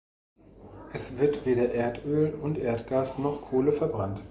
Es wird weder Erdöl und Erdgas noch Kohle verbrannt.